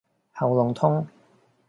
喉嚨痛